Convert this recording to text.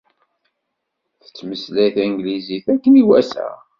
Tettmeslay tanglizt akken iwata.